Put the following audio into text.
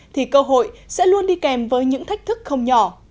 thì cơ hội sẽ luôn đi kèm với những thách thức không nhỏ